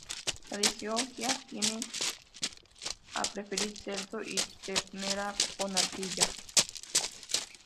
La de Georgia tiende a preferir cerdo y ternera con ardilla.